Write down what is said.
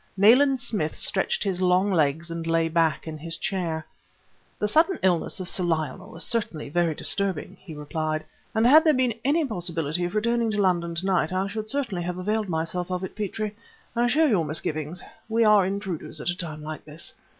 Nayland Smith stretched his long legs, and lay back in his chair. "The sudden illness of Sir Lionel is certainly very disturbing," he replied, "and had there been any possibility of returning to London to night, I should certainly have availed myself of it, Petrie. I share your misgivings. We are intruders at a time like this."